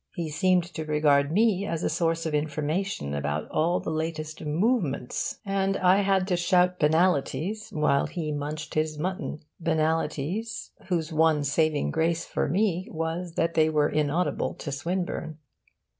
He seemed to regard me as a source of information about all the latest 'movements,' and I had to shout banalities while he munched his mutton banalities whose one saving grace for me was that they were inaudible to Swinburne.